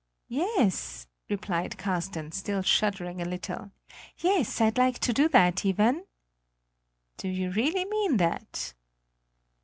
"Yes," replied Carsten, still shuddering a little. "Yes, I'd like to do that, Iven." "Do you really mean that?